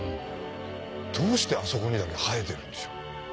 どうしてあそこにだけ生えてるんでしょう？